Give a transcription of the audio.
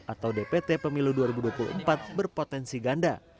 atau dpt pemilu dua ribu dua puluh empat berpotensi ganda